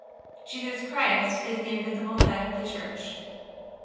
Jesus Christ is the invisible Head of the Church.